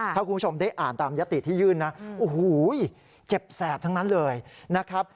ถ้าคุณผู้ชมได้อ่านตามยติที่ยื่นนะโอ้โหเจ็บแสบทั้งนั้นเลยนะครับ